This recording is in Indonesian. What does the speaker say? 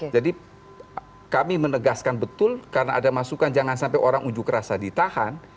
jadi kami menegaskan betul karena ada masukan jangan sampai orang unjuk rasa ditahan